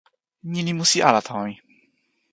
ni li musi ala tawa mi.